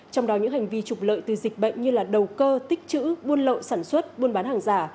trong đó những hành vi trục lợi từ dịch bệnh như đầu cơ tích chữ buôn lậu sản xuất buôn bán hàng giả